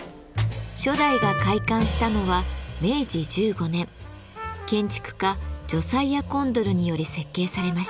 初代が開館したのは明治１５年建築家ジョサイア・コンドルにより設計されました。